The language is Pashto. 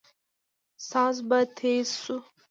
ساز به تېز سو.